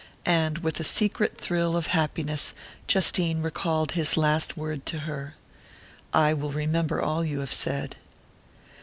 And with a secret thrill of happiness Justine recalled his last word to her: "I will remember all you have said."